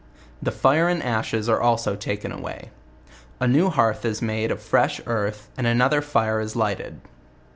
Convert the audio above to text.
The fire and ashes are also taken away. A new hearth is made of fresh earthy and another fire is lighted.